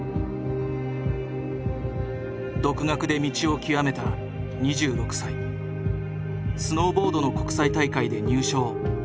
独学で道を極めた２６歳スノーボードの国際大会で入賞。